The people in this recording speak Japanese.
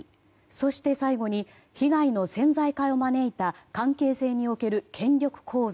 そして被害の潜在化を招いた関係性における権力構造。